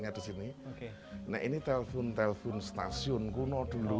nah ini telpon telpon stasiun kuno dulu